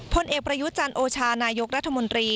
พลเอกประยุจันทร์โอชานายกรัฐมนตรี